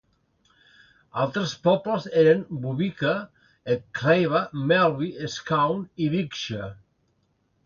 Altres pobles eren Buvika, Eggkleiva, Melby, Skaun i Viggja.